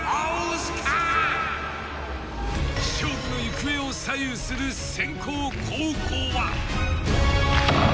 勝負の行方を左右する先攻後攻は。